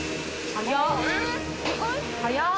早っ！